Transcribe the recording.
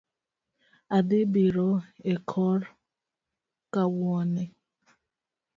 Adhi biro e kor kawuono